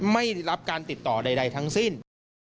ไม่ได้รับการติดต่อใดทั้งสิ้น